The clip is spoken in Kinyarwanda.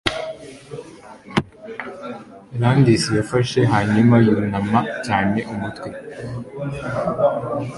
rands. yafashe hanyuma yunama cyane umutwe